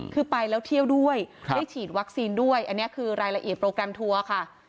คือไปแล้วเที่ยวด้วยได้ฉีดวัคซีนด้วยอันนี้คือรายละเอียดโปรแกรมทัวร์ค่ะ